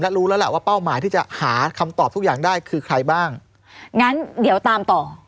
รู้แล้วแหละว่าเป้าหมายที่จะหาคำตอบทุกอย่างได้คือใครบ้างงั้นเดี๋ยวตามต่อ